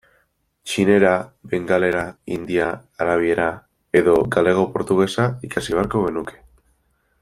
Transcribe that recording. Txinera, bengalera, hindia, arabiera, edo galego-portugesa ikasi beharko genuke.